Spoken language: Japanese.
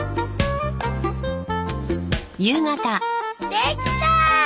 できたー！